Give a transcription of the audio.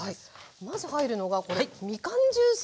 まず入るのがこれみかんジュース。